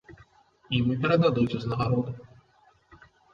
Ім і перададуць узнагароду.